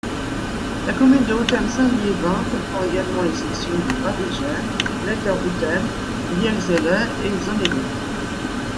La commune de Hautem-Saint-Liévin comprend également les sections de Bavegem, Letterhoutem, Vlierzele et Zonnegem.